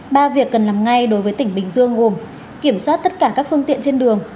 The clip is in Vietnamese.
ba việc cần làm ngay đối với tỉnh bình dương gồm kiểm soát tất cả các phương tiện trên đường